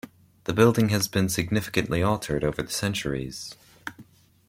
The building has been significantly altered over the centuries.